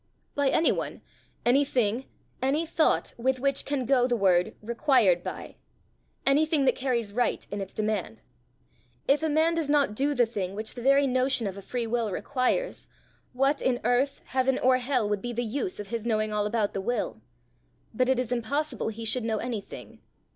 "By any one, any thing, any thought, with which can go the word required by anything that carries right in its demand. If a man does not do the thing which the very notion of a free will requires, what in earth, heaven, or hell, would be the use of his knowing all about the will? But it is impossible he should know anything."